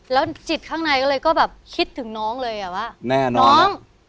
แล้วจิตข้างในก็เลยก็แบบคิดถึงน้องเลยอ่ะว่าแน่นอนน้อง